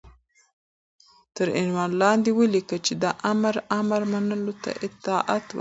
تر عنوان لاندې وليكه چې دآمر امر منلو ته اطاعت وايي